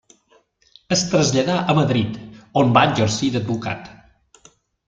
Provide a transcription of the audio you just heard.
Es traslladà a Madrid, on va exercir d'advocat.